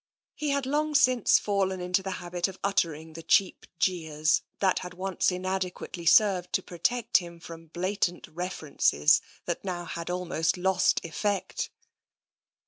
He had long since fallen into the habit of uttering the cheap jeers that had once inadequately served to protect him from blatant references that now had al most lost effect.